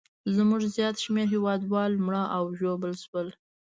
زموږ زیات شمېر هیوادوال مړه او ژوبل شول.